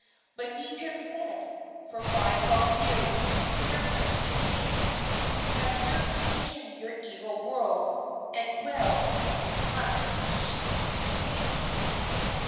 But Deitrich said: "For five long years this tender Christian maid Has served you in your evil world, and well must she be paid!